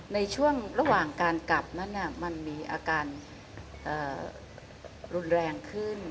ในช่วงระหว่างการกลับนั้นมันมีอาการรุนแรงขึ้น